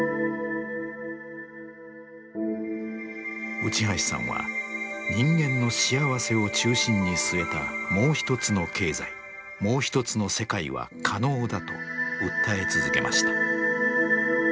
内橋さんは人間の幸せを中心に据えたもう一つの経済もう一つの世界は可能だと訴え続けました。